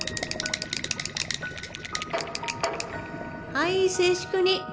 はい静粛に。